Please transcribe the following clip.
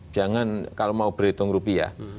jangan kalau mau berhitung rupiah